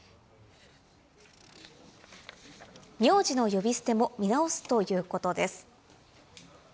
名字の呼び捨ても見直すということです。